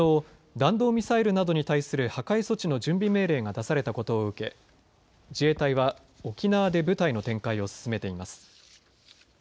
弾道ミサイルなどに対する破壊措置の準備命令が出されたことを受け自衛隊は沖縄で部隊の展開を進めています。